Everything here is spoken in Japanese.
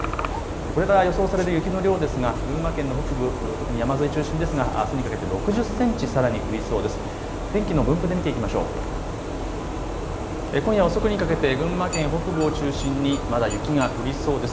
これから予想される雪の量ですが群馬県の北部、特に山沿い中心ですがあすにかけて６０センチさらに降りそうです。